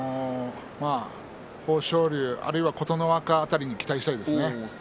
豊昇龍あるいは琴ノ若辺りに期待したいですね。